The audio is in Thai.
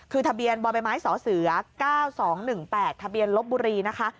คือทะเบียนบ่อใบไม้สเส๙๒๑๘ทะเบียนลบบุรีนะคะ